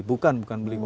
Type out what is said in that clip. bukan bukan beli